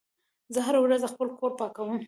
زه هره ورځ خپل کور پاکوم.